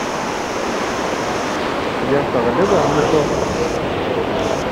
Sliɣ teɣlid yerna tuɣed-tent.